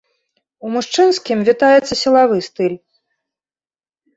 У мужчынскім вітаецца сілавы стыль.